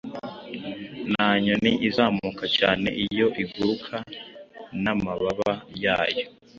Nta nyoni izamuka cyane iyo iguruka n'amababa yayo.